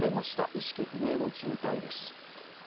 意識不明の重体です。